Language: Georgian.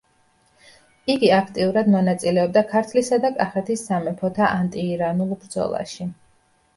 იგი აქტიურად მონაწილეობდა ქართლისა და კახეთის სამეფოთა ანტიირანულ ბრძოლაში.